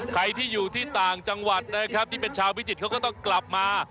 ใครที่อยู่ที่ต่างจังหวัดนะครับที่เป็นชาวพิจิตรเขาก็ต้องกลับมา